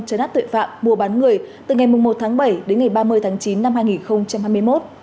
chấn áp tội phạm mua bán người từ ngày một tháng bảy đến ngày ba mươi tháng chín năm hai nghìn hai mươi một